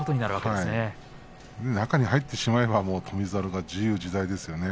中に入ってしまえば翔猿が自由自在ですよね。